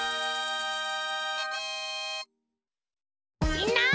みんな！